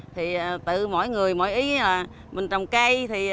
thì tự mỗi người mỗi ý mình trồng cây